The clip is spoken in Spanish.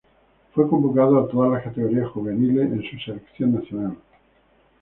Fue convocado a todas las categorías juveniles en su selección nacional.